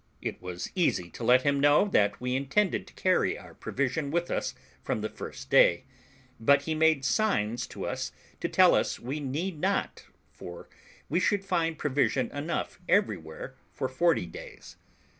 It was easy to let him see that we intended to carry our provision with us from the first day; but he made signs to us to tell us we need not, for we should find provision enough everywhere for forty days.